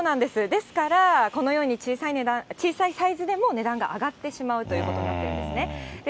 ですから、このように小さいサイズでも値段が上がってしまうということになってしまっているんですね。